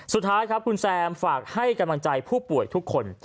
สุดท้ายครับคุณแซมฝากให้กำลังใจผู้ป่วยทุกคน